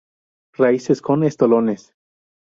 Raíces con estolones.